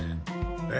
え？